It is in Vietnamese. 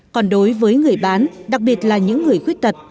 còn đối với người bán đặc biệt là những người khuyết tật